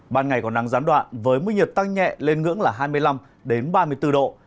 ban ngày có nắng gián đoạn với mức nhiệt tăng nhẹ lên ngưỡng là hai mươi năm ba mươi bốn độ